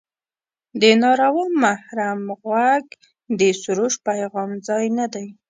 د ناروا محرم غوږ د سروش پیغام ځای نه دی.